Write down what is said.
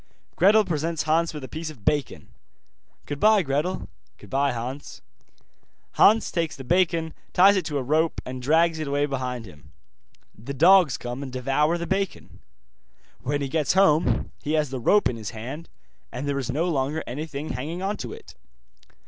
Gretel presents Hans with a piece of bacon. 'Goodbye, Gretel.' 'Goodbye, Hans.' Hans takes the bacon, ties it to a rope, and drags it away behind him. The dogs come and devour the bacon. When he gets home, he has the rope in his hand, and there is no longer anything hanging on to it.